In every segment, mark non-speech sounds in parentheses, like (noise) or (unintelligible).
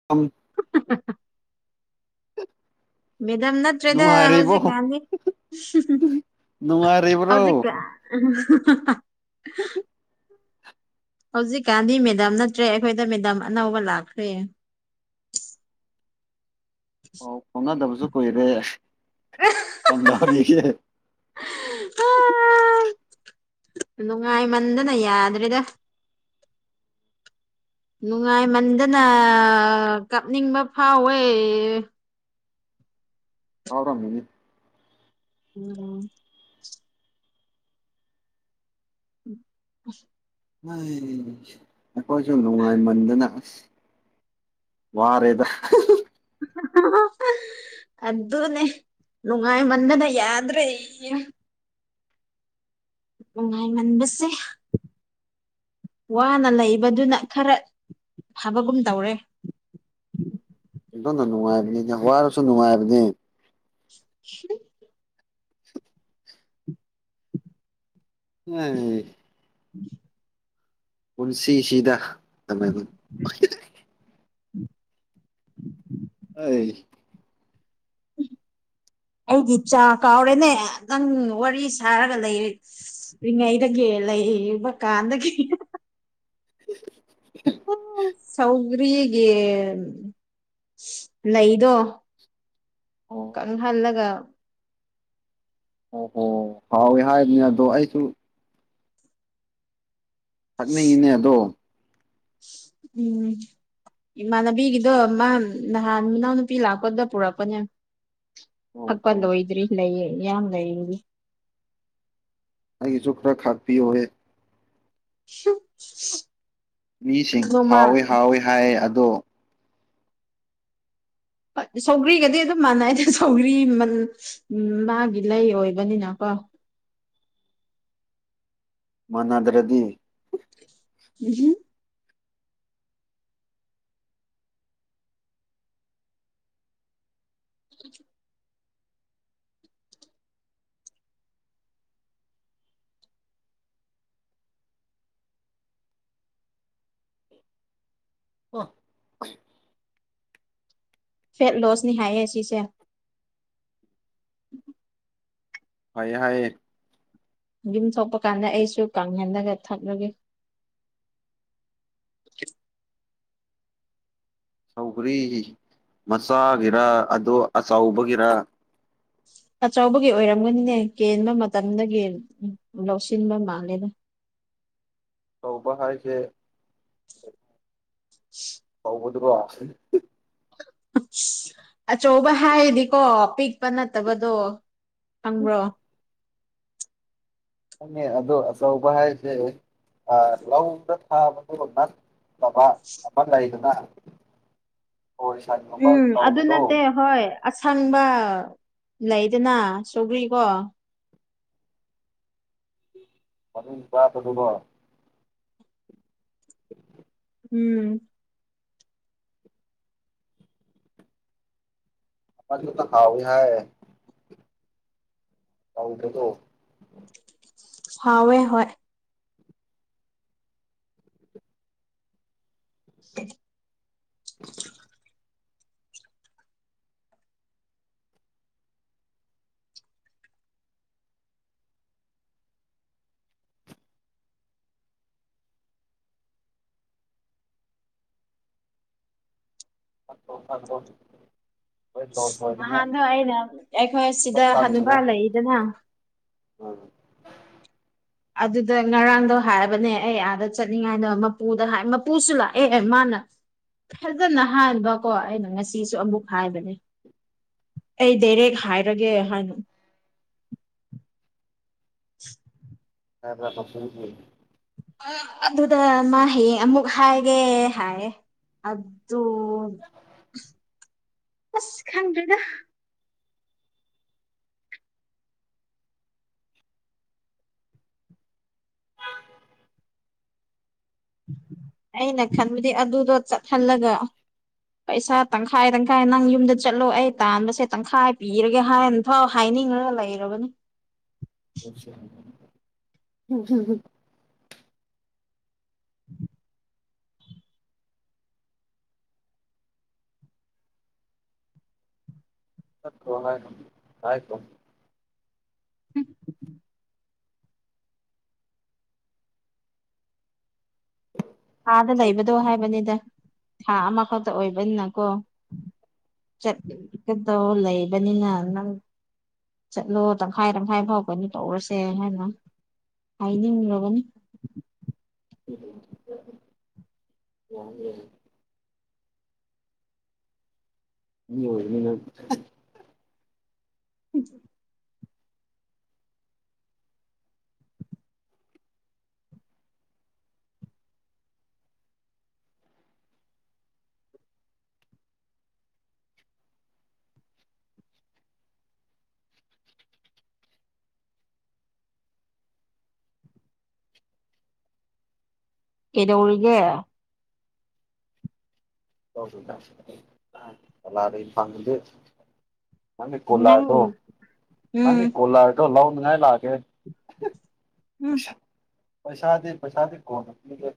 ꯑꯝ (unintelligible) ꯃꯦꯗꯥꯝ ꯅꯠꯇ꯭ꯔꯦꯗ ꯅꯨꯡꯉꯥꯏꯔꯤꯕꯣ ꯍꯧꯖꯤꯛꯀꯥꯟꯗꯤ ꯅꯨꯡꯉꯥꯏꯔꯤꯕ꯭ꯔꯣ ꯍꯧꯖꯤꯛꯀꯥꯟ (unintelligible) (inaudible) ꯍꯧꯖꯤꯛꯀꯥꯟꯗꯤ ꯃꯦꯗꯥꯝ ꯅꯠꯇ꯭ꯔꯦ ꯑꯩꯈꯣꯏꯗ ꯃꯦꯗꯥꯝ ꯑꯅꯧꯕ ꯂꯥꯛꯈ꯭ꯔꯦ ꯄꯥꯎ ꯐꯥꯎꯅꯗꯕꯖꯨ ꯀꯨꯏꯔꯦ ꯀꯝꯗꯧꯔꯤꯒꯦ (unintelligible) ꯅꯣꯉꯥꯏꯃꯟꯗꯅ ꯌꯥꯗ꯭ꯔꯦꯗ ꯅꯨꯉꯥꯏꯃꯟꯗꯅ ꯀꯞꯅꯤꯡꯕ ꯐꯥꯎꯋꯦ ꯐꯥꯎꯔꯝꯒꯅꯤ ꯉꯔꯥꯡ (unintelligible) (unintelligible) ꯑꯩꯈꯣꯏꯁꯨ ꯅꯨꯉꯥꯏꯃꯟꯗꯅ ꯑꯁ ꯋꯥꯔꯦꯗ (unintelligible) ꯑꯗꯨꯅꯦ ꯅꯨꯉꯥꯏꯃꯟꯗꯅ ꯌꯥꯗ꯭ꯔꯦ ꯅꯨꯉꯥꯏꯃꯟꯕꯁꯦ ꯋꯥꯅ ꯂꯩꯕꯗꯨꯅ ꯈꯔꯥ ꯐꯕꯒꯨꯝ ꯇꯧꯔꯦ ꯑꯗꯨꯅ ꯅꯨꯉꯥꯏꯕꯅꯤꯗ ꯋꯥꯔꯁꯨ ꯅꯨꯉꯥꯏꯕꯅꯦ (unintelligible) (unintelligible) (unintelligible) (unintelligible) ꯄꯨꯟꯁꯤꯁꯤꯗ ꯑꯃꯅꯤ (unintelligible) ꯑꯩ ꯑꯩꯒꯤ ꯆꯥ ꯀꯥꯎꯔꯦꯅꯦ ꯅꯪ ꯋꯥꯔꯤ ꯁꯥꯔꯒ ꯂꯩꯔꯤꯛ ꯔꯤꯉꯩꯗꯒꯤ ꯂꯩꯔꯤꯕ ꯀꯥꯟꯗꯒꯤ (unintelligible) ꯎꯔꯤꯒꯤ ꯂꯩꯩꯗꯣ ꯑꯣ ꯀꯪꯍꯜꯂꯒ ꯑꯣ ꯑꯣ ꯍꯥꯎꯋꯤ ꯍꯥꯏꯕꯅꯦ ꯑꯗꯣ ꯑꯩꯁꯨ ꯊꯛꯅꯤꯡꯉꯤꯅꯦ ꯑꯗꯣ ꯎꯝ ꯏꯃꯥꯟꯅꯕꯤꯒꯤꯗꯣ ꯃꯥ ꯅꯍꯥꯟ ꯃꯅꯥꯎꯅꯨꯄꯤ ꯂꯥꯛꯄꯗ ꯄꯨꯔꯛꯄꯅꯦ ꯑꯣ ꯊꯛꯄ ꯑꯣ ꯂꯣꯏꯗ꯭ꯔꯤ ꯂꯩꯌꯦ ꯃꯌꯥꯝ ꯂꯩꯔꯤ꯫ ꯑꯩꯒꯤꯁꯨ ꯈꯔꯥ ꯈꯥꯛꯄꯤꯌꯣꯍꯦ꯫ (unintelligible) ꯃꯤꯁꯤꯡ ꯅꯣꯡꯃ ꯍꯥꯎꯋꯦ ꯍꯥꯎꯋꯦ ꯍꯥꯏꯌꯦ ꯑꯗꯣ, ꯁꯧꯒ꯭ꯔꯤꯒꯗꯤ ꯑꯗꯨꯝ ꯃꯥꯟꯅꯩꯗ ꯁꯧꯒ꯭ꯔꯤ ꯃꯟ ꯎꯝ ꯃꯥꯒꯤ ꯂꯩ ꯑꯣꯏꯕꯅꯤꯅꯀꯣ꯫ ꯃꯥꯟꯅꯗ꯭ꯔꯗꯤ꯫ (unintelligible) (unintelligible) ꯐꯦꯠ ꯂꯣꯁꯅꯤ ꯍꯥꯏꯌꯦ ꯑꯁꯤꯁꯦ꯫ ꯍꯥꯏꯌꯦ ꯍꯥꯏꯌꯦ꯫ ꯌꯨꯝ ꯊꯣꯛꯄ ꯀꯥꯟꯗ ꯑꯩꯁꯨ ꯀꯪꯍꯜꯂꯒ ꯊꯛꯂꯒꯦ꯫ ꯁꯧꯒ꯭ꯔꯤ ꯃꯆꯥꯒꯤꯔ, ꯑꯗꯣ ꯑꯆꯧꯕꯒꯤꯔ? ꯑꯆꯧꯕꯒꯤ ꯑꯣꯏꯔꯝꯒꯅꯤꯅꯦ ꯀꯦꯟꯕ ꯃꯇꯝꯗꯒꯤ ꯂꯧꯁꯤꯟꯕ ꯃꯥꯜꯂꯦꯕ꯫ ꯐꯧꯕ ꯍꯥꯏꯖꯦ ꯐꯧꯕꯗꯨꯔꯣ? ꯑꯆꯧꯕ ꯍꯥꯏꯗꯤꯀꯣ ꯄꯤꯛꯄ ꯅꯠꯇꯕꯗꯣ ꯈꯪꯕ꯭ꯔꯣ? ꯪꯈꯪꯉꯦ ꯑꯗꯣ ꯑꯆꯧꯕ ꯍꯥꯏꯁꯦ, ꯑ ꯂꯧꯗ ꯊꯥꯕꯗꯣ ꯅꯠꯇꯕ ꯑꯃꯥ ꯂꯩꯗꯅ꯫ ꯋꯥꯔꯤ ꯁꯥꯅꯤ꯫ ꯎꯝ ꯑꯗꯨ ꯅꯠꯇꯦ ꯍꯣꯏ꯫ ꯑꯁꯪꯕ ꯂꯩꯗꯅ ꯁꯧꯒ꯭ꯔꯤ ꯀꯣ꯫ ꯃꯅꯨꯡ (unintelligible) ꯀꯣ (inaudible) ꯎꯝ ꯑꯗꯨꯅ ꯍꯥꯎꯋꯤ ꯍꯥꯏꯌꯦ꯫ ꯇꯧꯗ꯭ꯔꯦꯗꯣ꯫ ꯍꯥꯎꯋꯦ ꯍꯣꯏ꯫ (inaudible) (unintelligible) ꯅꯍꯥꯟꯗꯣ ꯑꯩꯅ ꯑꯩꯈꯣꯏ ꯁꯤꯗ ꯍꯅꯨꯄꯥ ꯂꯩꯏꯗꯅ꯫ ꯑꯗꯨꯗ ꯉꯔꯥꯡꯗꯣ ꯍꯥꯏꯕꯅꯦ ꯑꯩ ꯑꯥꯗ ꯆꯠꯅꯤꯡꯉꯥꯏꯗ ꯃꯄꯨꯗ ꯍꯥꯏ ꯃꯄꯨꯁꯨ ꯂꯥꯛꯑꯦ ꯃꯥꯅ ꯐꯖꯅ ꯍꯥꯏꯕꯀꯣ ꯑꯩꯅ ꯉꯁꯤꯁꯨ ꯑꯃꯨꯛ ꯍꯥꯏꯕꯅꯦ꯫ ꯑꯩ ꯗꯥꯏꯔꯦꯛ ꯍꯥꯏꯔꯒꯦ ꯍꯥꯏꯅ꯫ ꯇꯥꯏꯕ꯭ꯔꯥ? (unintelligible) ꯑꯗꯨꯗ ꯃꯥ ꯍꯌꯦꯡ ꯑꯃꯨꯛ ꯍꯥꯏꯒꯦ ꯍꯥꯏꯌꯦ꯫ ꯑꯗꯨꯁ ꯑꯁ ꯈꯪꯗꯦꯗ꯫ ꯑꯩꯅ ꯈꯟꯕꯗꯤ ꯑꯗꯨꯗꯣ ꯆꯠꯍꯜꯂꯒ, ꯄꯩꯁꯥ ꯇꯪꯈꯥꯏ ꯇꯪꯈꯥꯏ ꯅꯪ ꯌꯨꯝꯗ ꯆꯠꯂꯣ ꯑꯩ ꯇꯥꯟꯕꯁꯦ ꯇꯪꯈꯥꯏ ꯄꯤꯔꯒꯦ ꯍꯥꯏ ꯑꯩꯎ ꯍꯥꯏꯅꯤꯡꯉꯒ ꯂꯩꯔꯕꯅꯤ꯫ (unintelligible) ꯍꯣꯏ ꯍꯣꯏ ꯍꯥꯏꯈ꯭ꯔꯣ꯫ (unintelligible) ꯑꯥꯗ ꯂꯩꯕꯗꯣ ꯍꯥꯏꯕꯅꯦꯗ ꯊꯥ ꯑꯃꯈꯛꯇ ꯑꯣꯏꯕꯅꯤꯅꯀꯣ꯫ ꯆꯠꯀꯗꯧ ꯂꯩꯕꯅꯤꯅ ꯅꯪ ꯆꯠꯂꯣ ꯇꯪꯈꯥꯏ ꯇꯪꯈꯥꯏ ꯐꯥꯎꯒꯅꯤ ꯇꯧꯔꯁꯦ ꯍꯥꯏꯅ ꯍꯥꯏꯅꯤꯡꯂꯕꯅꯤ꯫ ꯎꯝ ꯎ (inaudible) ꯃꯤ ꯑꯣꯏꯔꯅꯤ ꯅꯪ (inaudible) ꯀꯩꯗꯧꯔꯤꯒꯦ ꯆꯂꯥꯔ ꯐꯥꯡꯗꯦ ꯅꯗꯤ ꯅꯪ ꯀꯣꯂꯥꯔꯗꯣ ꯎꯝ ꯅꯗꯤ ꯀꯣꯂꯥꯔ ꯂꯧꯅꯤꯡ ꯉꯥꯏ ꯂꯥꯛꯀꯦ ꯎꯝ ꯄꯩꯁꯥꯗꯤ ꯄꯩꯁꯥꯗꯤ ꯀꯣꯟꯅ ꯄꯤꯒꯦ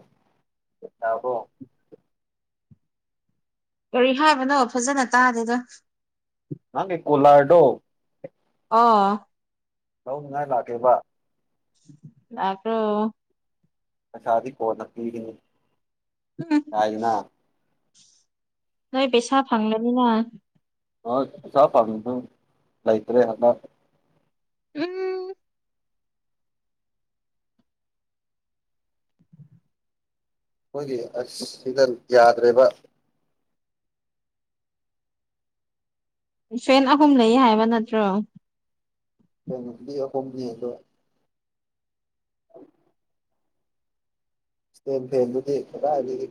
ꯌꯥꯕ꯭ꯔꯣ ꯀꯔꯤ ꯍꯥꯏꯕꯅꯣ ꯐꯖꯅ ꯇꯥꯗꯦꯗ ꯅꯪꯒꯤ ꯀꯣꯂꯔꯗꯣ ꯑꯣ ꯂꯧꯅꯤꯡꯉꯥꯏ ꯂꯥꯛꯀꯦꯕ ꯂꯥꯛꯈ꯭ꯔꯣ ꯄꯩꯁꯥꯗꯤ ꯀꯣꯅ ꯄꯤꯒꯅꯤ ꯎꯝ ꯀꯥꯏꯅ ꯅꯣꯏ ꯄꯩ ꯁꯥꯥ ꯐꯪꯂꯅꯤꯅ ꯍꯣꯐ ꯄꯩꯁꯥ ꯐꯪꯂꯁꯨ ꯂꯥꯏꯇꯔꯦ ꯍꯟꯅꯛ ꯎꯝ ꯑꯩꯈꯣꯏꯒꯤ ꯑꯁ ꯁꯤꯗ ꯌꯥꯗ꯭ꯔꯦꯕ ꯐꯦꯟ ꯑꯍꯨꯝ ꯂꯩꯌꯦ ꯍꯥꯏꯕ ꯅꯠꯇ꯭ꯔꯣ ꯈꯣꯏ ꯅꯨꯄꯤ ꯑꯍꯨꯝꯗꯤ ꯌꯦꯡꯂꯣꯏ ꯏꯁꯇꯦꯟ ꯐꯦꯟꯗꯨꯗꯤ ꯀꯗꯥꯏꯗꯒꯤ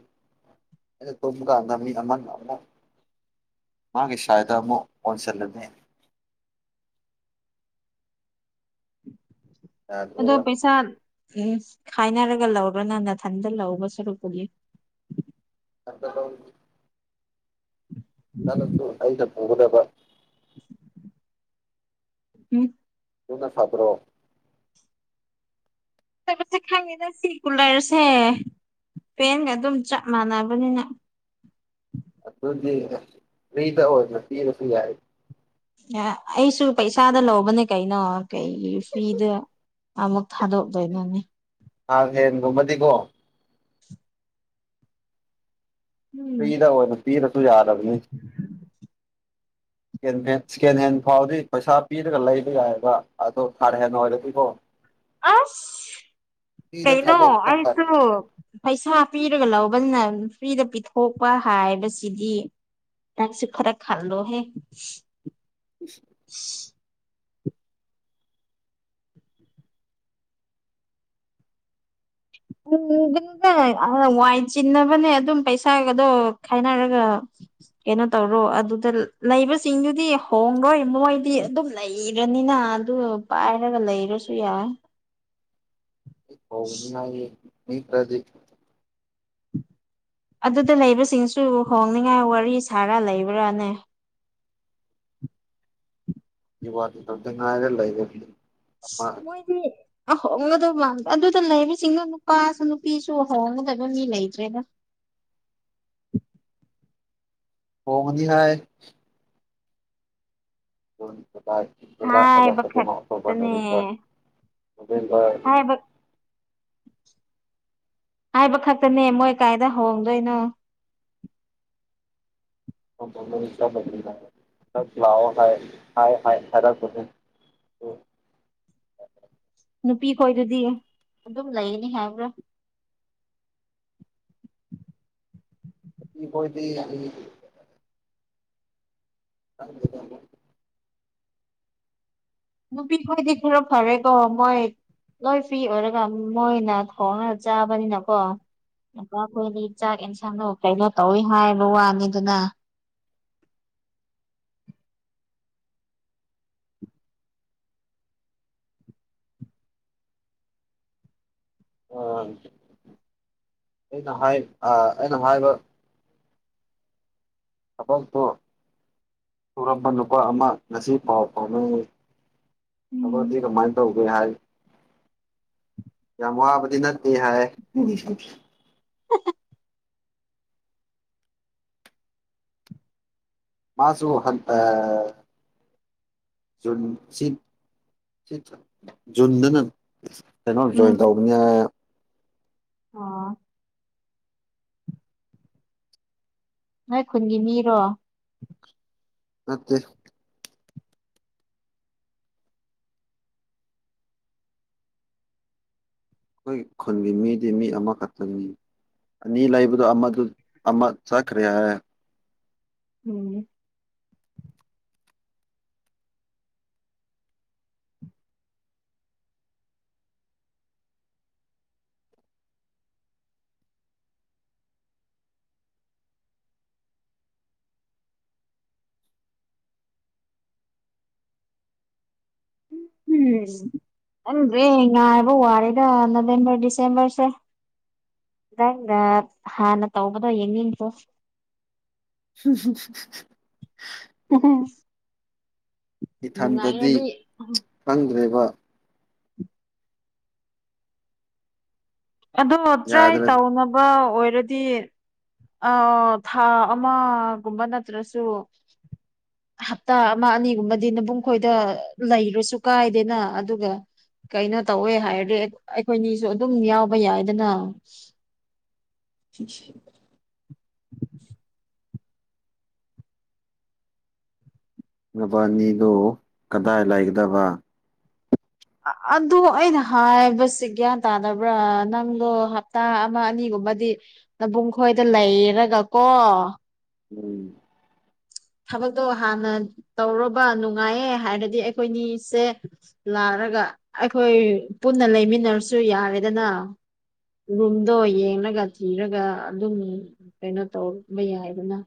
ꯑꯩꯅ ꯇꯨꯝꯕ ꯀꯥꯟꯗ ꯃꯤ ꯑꯃꯅ ꯑꯃꯛ ꯃꯥꯒꯤ ꯁꯥꯏꯗ ꯑꯃꯨꯛ ꯑꯣꯟꯁꯤꯜꯂꯅꯤ ꯑꯗꯣ ꯌꯥꯗ꯭ꯔꯦꯕ ꯄꯩꯁꯥ ꯎꯝ ꯈꯥꯏꯅꯔꯒ ꯂꯧꯔꯣꯅ ꯅꯊꯟꯗ ꯂꯧꯗꯧ ꯁꯔꯨꯛ ꯄꯨꯗꯤ ꯑ ꯇ (unintelligible) ꯆꯠꯂꯁꯨ ꯑꯩꯅ ꯄꯨꯒꯗꯕ ꯍ ꯑꯗꯨꯅꯥ ꯐꯠꯇ꯭ꯔꯣ ꯁꯛ ꯈꯪꯉꯦꯅ ꯁꯤ ꯀꯨꯂꯔꯁꯦ ꯄꯦꯟꯒ ꯑꯗꯨꯝ ꯆꯞ ꯃꯥꯟꯅꯕꯅꯤꯅ ꯑꯗꯨꯗꯤ ꯐ꯭ꯔꯤꯗ ꯑꯣꯏꯅ ꯄꯤꯔꯁꯨ ꯌꯥꯏ ꯑꯩꯁꯨ ꯄꯩꯁꯥꯗ ꯂꯧꯕꯅꯦ ꯀꯩꯅꯣ ꯀꯩꯒꯤ ꯐ꯭ꯔꯤꯗ ꯑꯃꯨꯛ ꯊꯥꯗꯣꯛꯇꯣꯏꯅꯣꯅꯦ ꯑ ꯍꯦꯟꯒꯨꯝ ꯕꯗꯤꯒꯣ ꯎꯝ ꯐꯤꯔꯗ ꯑꯣꯢꯅ ꯄꯤꯔꯁꯨ ꯌꯥꯔꯕꯅꯤ ꯁꯀꯦꯟ ꯍꯦꯟ ꯁꯦꯀꯦꯟ ꯍꯦꯟ ꯐꯥꯎꯗꯤ ꯄꯩꯁꯥ ꯄꯤꯔꯒ ꯂꯩꯕ ꯌꯥꯏꯑꯦꯕ ꯑꯗꯣ ꯊꯥꯔꯠ ꯍꯦꯟ ꯑꯣꯏꯔꯗꯤꯀꯣ ꯑꯁ ꯐ꯭ꯔꯤꯗ ꯀꯩꯅꯣ ꯊꯥꯗꯣꯛꯄꯅ ꯑꯩꯁꯨ ꯐꯔꯦꯗ ꯄꯩꯁꯥ ꯄꯤꯔꯒ ꯂꯧꯕꯅ ꯐ꯭ꯔꯤꯗ ꯄꯤꯊꯣꯛꯄ ꯍꯥꯏꯕꯁꯤꯗꯤ ꯅꯪꯁꯨ ꯈꯔ ꯈꯜꯂꯣꯍꯦ (unintelligible) (unintelligible) (inaudible) ꯋꯥꯏ ꯆꯤꯟꯅꯕꯅꯦ ꯑꯗꯨꯝ ꯄꯩꯁꯥꯒꯗꯣ ꯈꯥꯏꯅꯔꯒ ꯀꯩꯅꯣ ꯇꯧꯔꯣ ꯑꯗꯨꯗ ꯂꯩꯕꯁꯤꯡꯗꯨꯗꯤ ꯍꯣꯔꯣꯏ ꯃꯣꯏꯗꯤ ꯑꯗꯨꯝ ꯂꯩꯔꯅꯤꯅ ꯑꯗꯨ ꯄꯥꯏꯔꯒ ꯂꯩꯔꯁꯨ ꯌꯥꯏ ꯍꯣꯡꯅꯤꯉꯥꯏꯖꯤ ꯂꯩꯇ꯭ꯔꯗꯤ ꯑꯗꯨꯗ ꯂꯩꯕꯁꯤꯡꯁꯨ ꯍꯣꯡꯅꯤꯉꯥꯏ ꯋꯥꯔꯤ ꯁꯥꯔ ꯂꯩꯕ꯭ꯔꯥꯅꯦ ꯔꯤꯋꯥꯔꯠ ꯃꯇꯝꯗ ꯉꯥꯏꯔ ꯂꯩꯕꯒꯤ ꯃꯣꯏꯗꯤ ꯑꯍꯣꯡꯉꯗꯕ ꯑꯗꯨꯗ ꯂꯩꯔꯤꯁꯤꯡꯅ ꯅꯨꯄꯥꯁꯨ ꯅꯨꯄꯤꯁꯨ ꯍꯣꯡꯒꯗꯕ ꯃꯤ ꯂꯩꯇ꯭ꯔꯦꯗ ꯍꯣꯡꯉꯅꯤ ꯍꯥꯏ ꯖꯨꯟ ꯖꯨꯂꯥꯏ ꯖꯨꯂꯥꯏ ꯑꯥꯒꯁ ꯍꯥꯏꯕ ꯁꯦꯞꯇꯦꯝꯕꯔ ꯑꯣꯛꯇꯣꯕꯔ ꯈꯛꯇꯅꯦ ꯅꯕꯦꯝꯕꯔ ꯅꯕꯦꯝꯕꯔ ꯍꯥꯏꯕ ꯍꯥꯏꯕ ꯈꯛꯇꯅꯦ ꯃꯣꯏ ꯀꯥꯏꯗ ꯍꯣꯡꯗꯣꯏꯅꯣ ꯑꯣꯛꯇꯣ ꯃꯔꯤ ꯆꯥꯝꯌꯥꯡꯈꯩ ꯈꯛꯇꯪꯅꯦ ꯅꯪ ꯂꯥꯛꯑꯣ ꯍꯥꯏ ꯍꯥꯏ ꯍꯥꯏ ꯍꯥꯏꯔꯛꯄꯅꯦ ꯑꯗꯨ ꯅꯨꯄꯤ ꯈꯣꯏꯗꯨꯗꯤ ꯑꯗꯨꯝ ꯂꯩꯅꯤ ꯍꯥꯏꯕ꯭ꯔꯥ ꯅꯨꯄꯤ ꯈꯣꯏꯗꯤ ꯑꯗꯒꯤꯗꯤ ꯈꯪꯗꯦꯗꯥ ꯃꯣꯏ ꯅꯨꯄꯤ ꯈꯣꯏꯗꯤ ꯈꯔ ꯐꯔꯦꯀꯣ ꯃꯣꯏ ꯂꯣꯏ ꯐ꯭ꯔꯤ ꯑꯣꯏꯔꯒ ꯃꯣꯏꯅ ꯊꯣꯡꯉꯒ ꯆꯥꯕꯅꯤꯅꯀꯣ ꯑꯄꯥ ꯈꯣꯏꯗꯤ ꯆꯥꯛ ꯑꯦꯟꯁꯥꯡꯗꯣ ꯀꯩꯅꯣ ꯇꯧꯋꯤ ꯍꯥꯏꯕ ꯋꯥꯅꯤꯗꯅꯥ ꯑ ꯑꯩꯅ ꯍꯥꯏ ꯑꯥ ꯑꯩꯅ ꯍꯥꯏꯕ ꯊꯕꯛꯇꯨ ꯁꯨꯔꯝꯕ ꯅꯨꯄꯥ ꯑꯃ ꯉꯁꯤ ꯄꯥꯎ ꯐꯥꯎꯅꯩꯌꯦ ꯎꯝ ꯊꯕꯛꯇꯤ ꯀꯃꯥꯏ ꯇꯧꯒꯦ ꯍꯥꯏ ꯌꯥꯝ ꯋꯥꯕꯗꯤ ꯅꯠꯇꯦ ꯍꯥꯏ (unintelligible) ꯃꯥꯁꯨ ꯍꯟ ꯇ ꯖꯨꯟ ꯆꯤꯛ ꯆꯤꯛ ꯖꯨꯟꯗꯅ ꯀꯩꯅꯣ ꯖꯣꯏꯟ ꯇꯧꯕꯅꯦ ꯑꯥ ꯅꯣꯏ ꯈꯨꯟꯒꯤ ꯃꯤꯔꯣ ꯅꯠꯇꯦ ꯑꯩꯈꯣꯏ ꯈꯨꯟꯒꯤ ꯃꯤꯗꯤ ꯃꯤ ꯑꯃꯈꯠꯇꯅꯤ ꯑꯅꯤ ꯂꯩꯕꯗꯣ ꯑꯃꯗꯨ ꯑꯃ ꯆꯠꯈ꯭ꯔꯦ ꯍꯥꯏ ꯎꯝ ꯎꯝ ꯈꯪꯗꯦ ꯉꯥꯏꯕ ꯋꯥꯔꯦꯗꯥ ꯅꯕꯦꯝꯕꯔ ꯗꯤꯁꯦꯝꯕꯔꯁꯦ ꯅꯪꯅ ꯍꯥꯟꯅ ꯇꯧꯕꯗꯣ ꯌꯦꯡꯅꯤꯡꯕ꯭ꯔꯣ (unintelligible) (unintelligible) ꯏꯊꯟꯗꯗꯤ ꯅꯨꯡꯉꯥꯏꯔꯗꯤ ꯈꯪꯗ꯭ꯔꯦꯕ ꯑꯗꯣ ꯇ꯭ꯔꯥꯏ ꯌꯥꯗ꯭ꯔꯦ ꯇꯧꯅꯕ ꯑꯣꯏꯔꯗꯤ ꯑꯧ ꯊꯥ ꯑꯃꯒꯨꯝꯕ ꯅꯠꯇ꯭ꯔꯁꯨ ꯍꯞꯇꯥ ꯑꯃ ꯑꯅꯤꯒꯨꯝꯕꯗꯤ ꯅꯕꯨꯡ ꯈꯣꯏꯗ ꯂꯩꯔꯁꯨ ꯀꯥꯏꯗꯦꯅꯥ ꯑꯗꯨꯒ ꯀꯩꯅꯣ ꯇꯧꯋꯦ ꯍꯥꯏꯔꯗꯤ ꯑꯩ ꯑꯩꯈꯣꯏꯅꯤꯁꯨ ꯑꯗꯨꯝ ꯌꯥꯎꯕ ꯌꯥꯏꯗꯅꯥ (unintelligible) (inaudible) ꯅꯕꯥꯅꯤꯗꯨ ꯀꯗꯥꯏ ꯂꯩꯒꯗꯕ ꯑꯗꯨ ꯑꯩꯅ ꯍꯥꯏꯕꯁꯤ ꯒ꯭ꯌꯥꯟ ꯇꯥꯗꯕ꯭ꯔꯥ ꯅꯪꯗꯣ ꯍꯞꯇꯥ ꯑꯃ ꯑꯅꯤꯒꯨꯝꯕꯗꯤ ꯅꯕꯨꯡ ꯈꯣꯏꯗ ꯂꯩꯔꯒ ꯀꯣ ꯎꯝ ꯊꯕꯛꯇꯣ ꯍꯥꯟꯅ ꯇꯧꯔꯣꯕ ꯅꯨꯡꯉꯥꯏꯌꯦ ꯍꯥꯏꯔꯗꯤ ꯑꯩꯈꯣꯏꯅꯤꯁꯦ ꯂꯥꯛꯔꯒ ꯑꯩꯈꯣꯏ ꯄꯨꯟꯅ ꯂꯩꯃꯤꯟꯅꯔꯁꯨ ꯌꯥꯔꯦꯗꯅꯥ ꯔꯨꯝꯗꯣ ꯌꯦꯡꯂꯒ ꯊꯤꯔꯒ ꯑꯗꯨꯝ ꯀꯩꯅꯣ ꯇꯧꯕ ꯌꯥꯏꯗꯅ